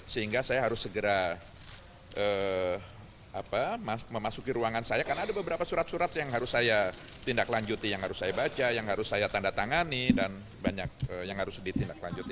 sehingga saya harus segera memasuki ruangan saya karena ada beberapa surat surat yang harus saya tindak lanjuti yang harus saya baca yang harus saya tanda tangani dan banyak yang harus ditindaklanjuti